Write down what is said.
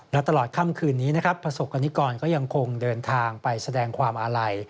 และตลอดค่ำคืนนี้นะครับประสบกรณิกรก็ยังคงเดินทางไปแสดงความอาลัย